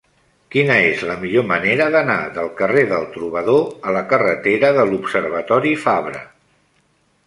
Quina és la millor manera d'anar del carrer del Trobador a la carretera de l'Observatori Fabra?